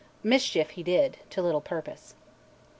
Mischief he did, to little purpose.